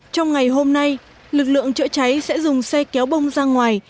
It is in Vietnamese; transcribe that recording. trong ngày hôm nay lực lượng chữa cháy sẽ dùng xe kéo bông ra ngoài